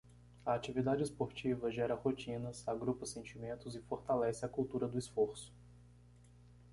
A atividade esportiva gera rotinas, agrupa sentimentos e fortalece a cultura do esforço.